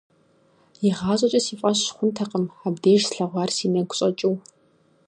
ИгъащӀэкӀэ си фӀэщ хъунтэкъым абдеж слъэгъуар си нэгу щӀэкӀыу.